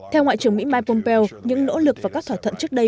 theo ngoại trưởng mỹ mike pompeo những nỗ lực và các thỏa thuận trước đây